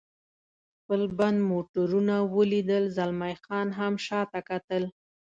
خپل بند موټرونه ولیدل، زلمی خان هم شاته کتل.